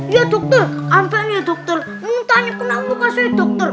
iya dokter ampe nih dokter muntahnya pernah muka saya dokter